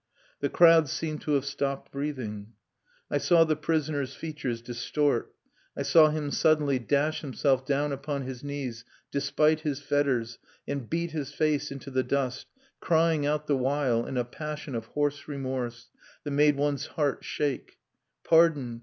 The crowd seemed to have stopped breathing. I saw the prisoner's features distort; I saw him suddenly dash himself down upon his knees despite his fetters, and beat his face into the dust, crying out the while in a passion of hoarse remorse that made one's heart shake: "Pardon!